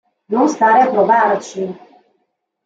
Non stare a provarci".